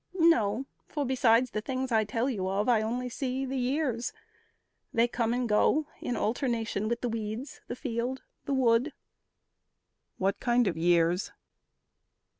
"No; for besides the things I tell you of, I only see the years. They come and go In alternation with the weeds, the field, The wood." "What kind of years?"